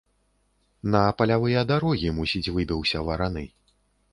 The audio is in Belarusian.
На палявыя дарогі, мусіць, выбіўся вараны.